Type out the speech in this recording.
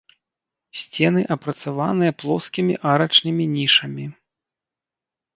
Сцены апрацаваныя плоскімі арачнымі нішамі.